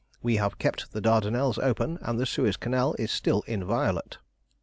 We have kept the Dardanelles open, and the Suez Canal is still inviolate.